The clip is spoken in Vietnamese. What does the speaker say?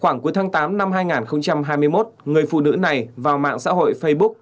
khoảng cuối tháng tám năm hai nghìn hai mươi một người phụ nữ này vào mạng xã hội facebook